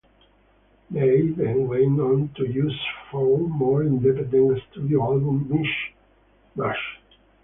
They then went on to issue four more independent studio albums-Mish Mash!